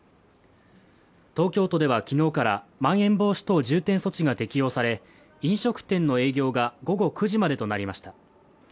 東京都では昨日からまん延防止等重点措置が適用され、飲食店の営業が午後９時までとなりました。